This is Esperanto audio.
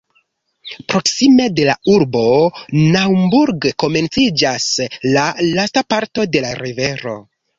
Proksime de la urbo Naumburg komenciĝas la lasta parto de la rivero.